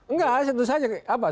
nggak itu soal maharat atau soal preman